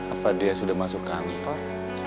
apa dia sudah masuk kantor